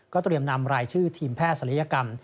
เตรียมนำรายชื่อทีมแพทย์ศัลยกรรม